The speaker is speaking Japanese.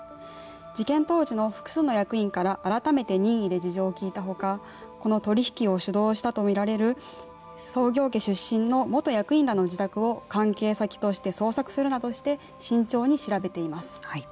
事件当時の複数の役員から改めて任意で事情を聴いた他この取り引きを主導したと見られる創業家出身の元役員らの自宅を関係先として捜索するなどして慎重に調べています。